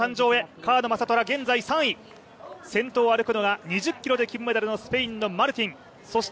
川野将虎現在３位、先頭を歩くのが２０ｋｍで金メダルのスペインのマルティン。